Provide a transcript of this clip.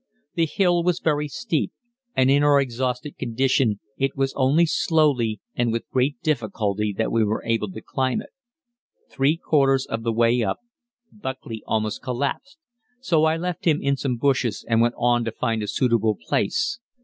The hill was very steep, and in our exhausted condition it was only slowly and with great difficulty that we were able to climb it. Three quarters of the way up, Buckley almost collapsed, so I left him in some bushes and went on to find a suitable place.